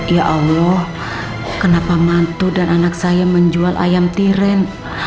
ya allah kenapa mantu dan anak saya menjual ayam tiren